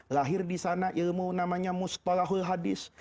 lahir di sana ilmu namanya mustolahul hadis